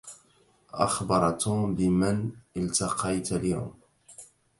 أخبر توم بمن التقيت اليوم.